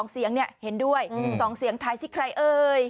๒เสียงเนี่ยเห็นด้วย๒เสียงท้ายสิใครเอ่ย